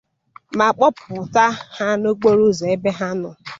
ma kpọpụta ha n'okporo ụzọ ebe ha nọ.